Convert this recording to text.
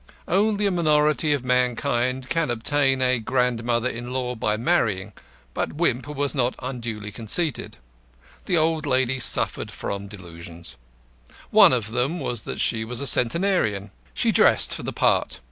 Only a minority of mankind can obtain a grandmother in law by marrying, but Wimp was not unduly conceited. The old lady suffered from delusions. One of them was that she was a centenarian. She dressed for the part.